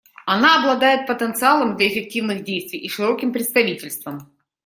Она обладает потенциалом для эффективных действий и широким представительством.